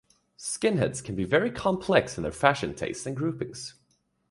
Skinheads can be very complex in their fashion taste and groupings.